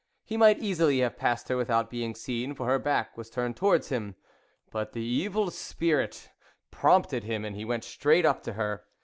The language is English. He might easily have passed her without being seen, for her back was turned towards him ; but the evil spirit prompted him, and he went straight up to her.